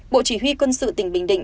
bộ chỉ huy quân sự tỉnh bình định